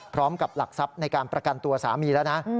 สำหรับหลักทรัพย์ในการประกันตัวสามีแล้วนะ